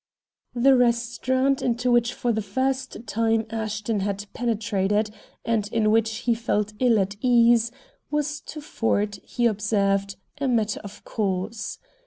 The restaurant into which for the first time Ashton had penetrated, and in which he felt ill at ease, was to Ford, he observed, a matter of course.